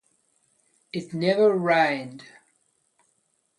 It never rained.